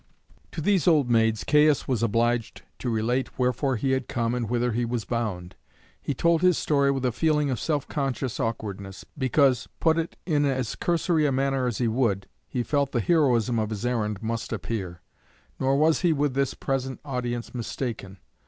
To these old maids Caius was obliged to relate wherefore he had come and whither he was bound. He told his story with a feeling of self conscious awkwardness, because, put it in as cursory a manner as he would, he felt the heroism of his errand must appear; nor was he with this present audience mistaken.